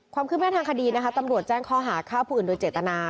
ความคิดแม้ทางคดีตำรวจแจ้งข้อหาข้าวผู้อื่นโดยเจตนา